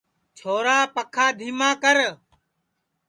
چھورا پکھا دھیما کر